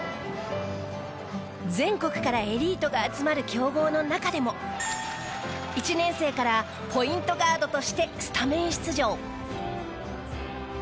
全国からエリートが集まる強豪の中でも１年生からポイントガードとしてスタメン出場。